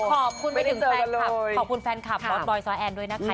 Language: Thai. ขอบคุณไปถึงแฟนคลับขอบคุณแฟนคลับบอสบอยซ้อยแอนด้วยนะคะ